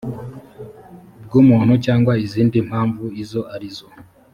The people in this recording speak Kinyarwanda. bw umuntu cyangwa izindi mpamvu izo arizo